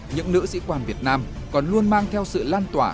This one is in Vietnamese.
những nữ sĩ quan việt nam còn luôn mang theo sự lan tỏa